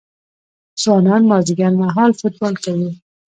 ځوانان مازدیګر مهال فوټبال کوي.